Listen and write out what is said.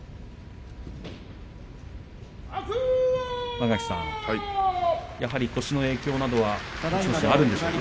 間垣さん、やはり腰の影響などがあるんでしょうか。